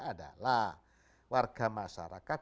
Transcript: adalah warga masyarakat